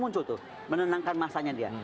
muncul tuh menenangkan masanya dia